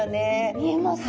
見えます。